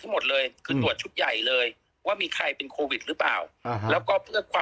ตลอดนี้คือจะทราบผลประมาณเมื่อไหร่พี่มดดำ